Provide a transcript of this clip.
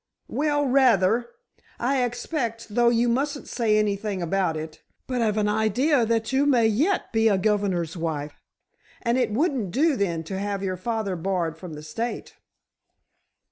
"Well, rather! I expect—though you mustn't say anything about it—but I've an idea that you may yet be a governor's wife! And it wouldn't do then to have your father barred from the state!"